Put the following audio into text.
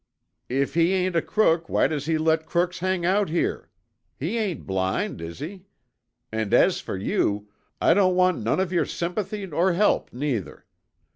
"If he ain't a crook, why does he let crooks hang out here? He ain't blind, is he? And as for you, I don't want none of yore sympathy or help, neither.